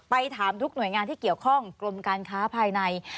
ถามทุกหน่วยงานที่เกี่ยวข้องกรมการค้าภายใน